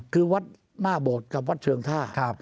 คือวัดหน้าโบดกับวัดเชิงท่า